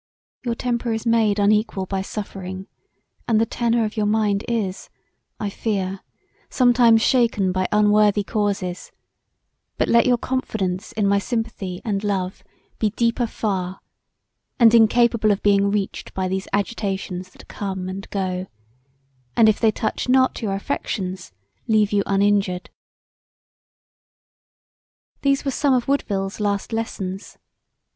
Your temper is made unequal by suffering, and the tenor of your mind is, I fear, sometimes shaken by unworthy causes; but let your confidence in my sympathy and love be deeper far, and incapable of being reached by these agitations that come and go, and if they touch not your affections leave you uninjured." These were some of Woodville's last lessons.